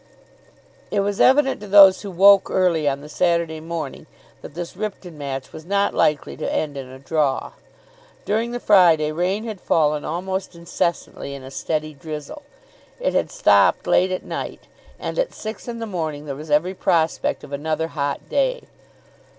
It was evident to those who woke early on the Saturday morning that this Ripton match was not likely to end in a draw. During the Friday rain had fallen almost incessantly in a steady drizzle. It had stopped late at night; and at six in the morning there was every prospect of another hot day.